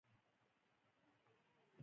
افغانستان د پسونو په برخه کې نړیوال شهرت لري.